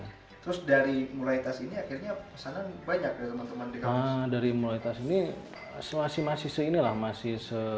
terus dari mulai tas ini akhirnya pesanan banyak ya teman teman di kamis